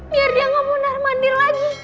biar dia gak mau narmanir lagi